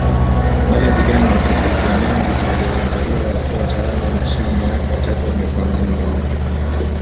Wale vijana wa Hakizemana walioandaliwa walikuwa tayari wameshamueka Jacob mikononi mwao